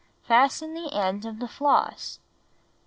Fasten the end of the floss.